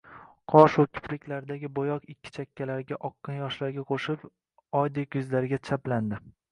Qoshu kipriklardagi bo`yoq ikki chakkalariga oqqan yoshlarga qo`shilib, oydek yuzlariga chaplangandi